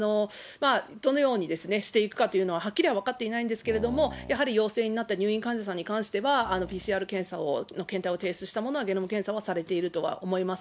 どのようにしていくかというのは、はっきりは分かっていないんですけれども、やはり陽性になった入院患者さんに関してはＰＣＲ検査の検体を提出したものは、ゲノム検査をされているとは思います。